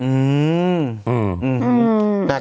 อืมอืมอืม